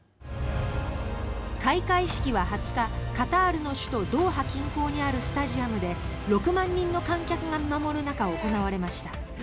開会式は２０日カタールの首都ドーハ近郊にあるスタジアムで６万人の観客が見守る中行われました。